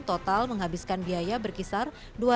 total menghabiskan biaya berkisar